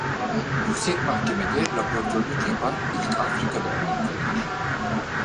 Yüksek Mahkeme’de raportörlük yapan ilk Afrikalı-Amerikalıdır.